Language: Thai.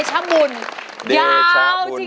แค่วันโน้นก็เดียว